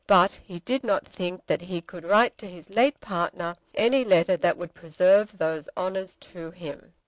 But he did not think that he could write to his late partner any letter that would preserve those honours to him.